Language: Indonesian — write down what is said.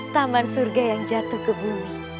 taman surga yang jatuh ke bumi